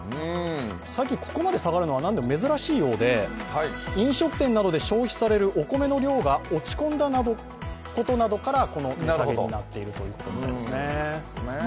最近ここまで下がるのは珍しいようで飲食店などで消費されるお米の量が落ち込んだことなどがこの値下げになっているということみたいですね。